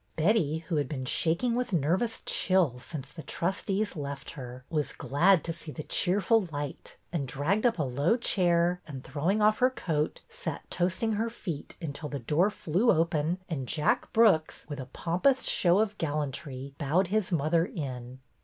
Betty, who had been shaking with nervous chills since the trustees left her, was glad to see the cheerful light, and dragged up a low chair, and throwing off her coat, sat toast ing her feet until the door flew open and Jack Brooks, with a pompous show of gallantry, bowed his mother in.